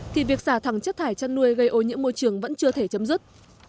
thì việc xả thẳng chất thải chăn nuôi gây ô nhiễm môi trường vẫn chưa thể chấm dứt